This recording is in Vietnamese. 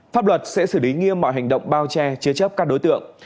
pháp luật sẽ xử lý nghiêm mọi hành động bao che chứa chấp các đối tượng